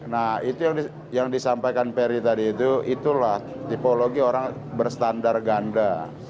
nah itu yang disampaikan peri tadi itu itulah tipologi orang berstandar ganda